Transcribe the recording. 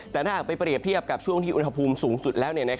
แต่ถ้าหากไปเปรียบเทียบกับช่วงที่อุณหภูมิสูงสุดแล้ว